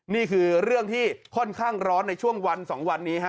นี่คือเรื่องที่ค่อนข้างร้อนในช่วงวัน๒วันนี้ฮะ